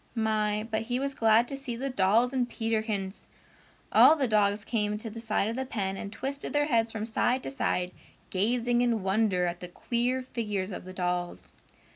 My, but he was glad to see the dolls and Peterkins! All the dogs came to the side of the pen and twisted their heads from side to side, gazing in wonder at the queer figures of the dolls.